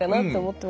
って。